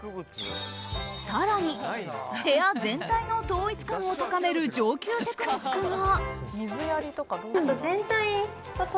更に、部屋全体の統一感を高める上級テクニックが。